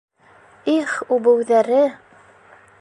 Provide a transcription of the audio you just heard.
Их, үбеүҙәре!